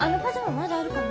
まだあるかな？